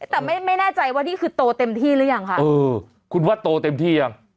แต่ไม่ไม่แน่ใจว่านี่คือโตเต็มที่หรือยังคะเออคุณว่าโตเต็มที่ยัง